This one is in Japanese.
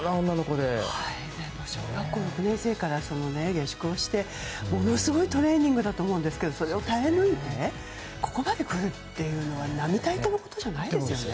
でも小学６年生から下宿をしてものすごいトレーニングだと思いますけどそれを耐え抜いてここまで来るというのは並大抵のことじゃないですよね。